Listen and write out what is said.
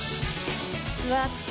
座って。